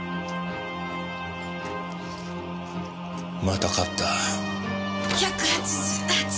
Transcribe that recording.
また勝った。